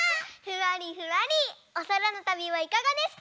ふわりふわりおそらのたびはいかがですか？